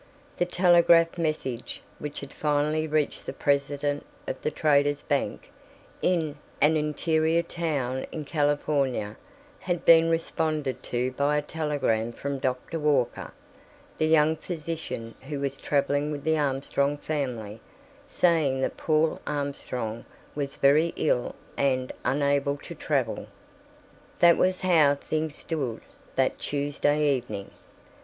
The telegraph message which had finally reached the President of the Traders' Bank, in an interior town in California, had been responded to by a telegram from Doctor Walker, the young physician who was traveling with the Armstrong family, saying that Paul Armstrong was very ill and unable to travel. That was how things stood that Tuesday evening.